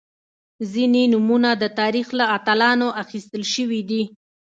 • ځینې نومونه د تاریخ له اتلانو اخیستل شوي دي.